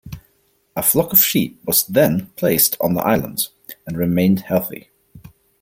A flock of sheep was then placed on the island and remained healthy.